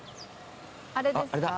あれですか？